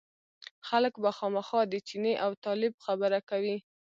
خلک به خامخا د چیني او طالب خبره کوي.